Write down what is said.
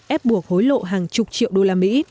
ép buộc hối lộ hàng chục triệu đô la mỹ